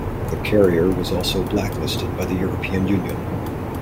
The carrier was also blacklisted by the European Union.